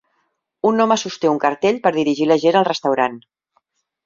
Un home sosté un cartell per dirigir la gent al restaurant